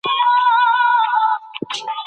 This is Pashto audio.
ساپی ویلي وو چې ناروغان ډېر شول.